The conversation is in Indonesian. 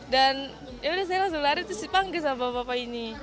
dan ya udah saya langsung lari terus dipanggil sama bapak bapak ini